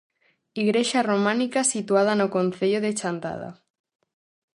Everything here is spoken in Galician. Igrexa románica situada no concello de Chantada.